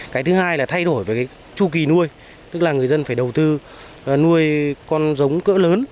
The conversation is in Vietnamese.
cái thứ hai là thay đổi về cái chu kỳ nuôi tức là người dân phải đầu tư nuôi con giống cỡ lớn